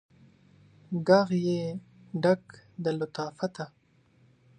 ږغ یې ډک د لطافته